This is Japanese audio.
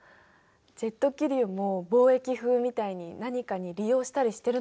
ジェット気流も貿易風みたいに何かに利用したりしてるのかな？